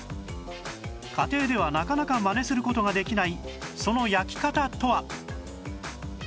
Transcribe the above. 家庭ではなかなかマネする事ができないその焼き方とは？